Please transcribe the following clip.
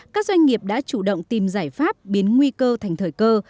các doanh nghiệp đã chủ động tìm giải pháp biến nguy cơ thành thời cơ